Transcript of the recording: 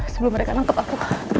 sebelum mereka nangkep aku